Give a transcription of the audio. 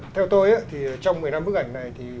theo tôi thì trong một mươi năm bức ảnh này thì